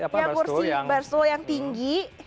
kursi bar yang tinggi